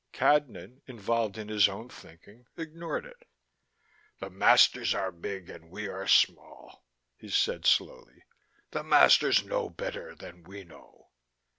Cadnan, involved in his own thinking, ignored it. "The masters are big and we are small," he said slowly. "The masters know better than we know."